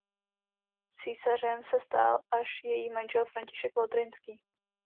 Císařem se stal až její manžel František Lotrinský.